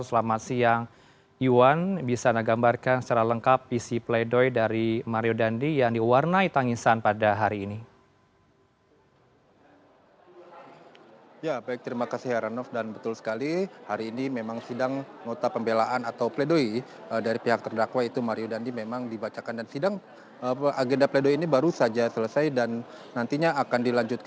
selamat siang iwan bisa anda gambarkan secara lengkap visi pledoi dari mario dandi yang diwarnai tangisan pada hari ini